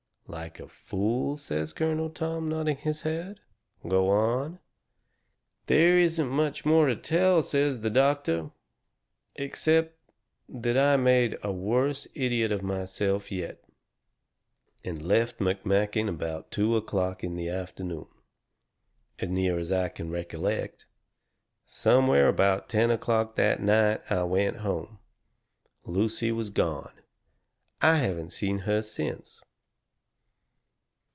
"LIKE a fool," says Colonel Tom, nodding his head. "Go on." "There isn't much more to tell," says the doctor, "except that I made a worse idiot of myself yet, and left McMakin about two o'clock in the afternoon, as near as I can recollect. Somewhere about ten o'clock that night I went home. Lucy was gone. I haven't seen her since."